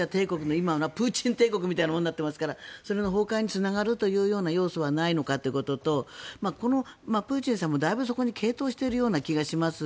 今、プーチン帝国みたいになってますからその崩壊につながるような要素はないのかということとプーチンさんもだいぶそこに傾倒しているような気がします。